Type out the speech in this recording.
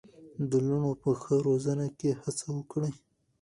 د لوڼو په ښه روزنه کې هڅه وکړئ.